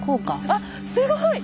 あっすごい！